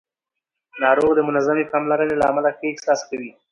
ناروغ د منظمې پاملرنې له امله ښه احساس کوي